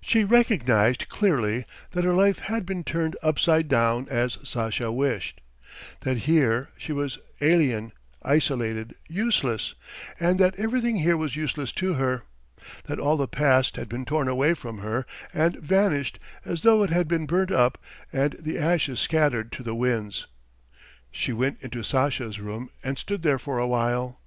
She recognized clearly that her life had been turned upside down as Sasha wished; that here she was, alien, isolated, useless and that everything here was useless to her; that all the past had been torn away from her and vanished as though it had been burnt up and the ashes scattered to the winds. She went into Sasha's room and stood there for a while.